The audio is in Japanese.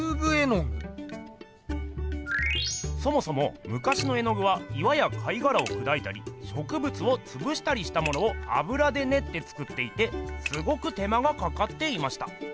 そもそもむかしの絵具は岩や貝がらをくだいたりしょくぶつをつぶしたりしたものをあぶらでねって作っていてすごく手間がかかっていました。